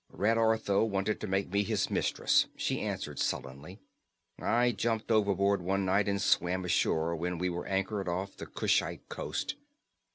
"Red Ortho wanted to make me his mistress," she answered sullenly. "I jumped overboard one night and swam ashore when we were anchored off the Kushite coast.